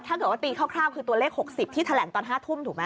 ถ้าเกิดว่าตีคร่าวคือตัวเลข๖๐ที่แถลงตอน๕ทุ่มถูกไหม